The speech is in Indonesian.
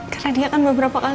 karena dia kan beberapa kali